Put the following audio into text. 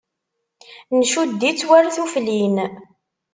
Ncudd-itt war tuflin.